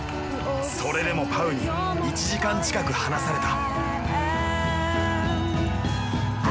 それでもパウに１時間近く離された。